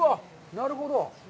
なるほど。